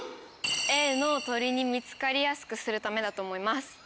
Ａの鳥に見つかりやすくするためだと思います。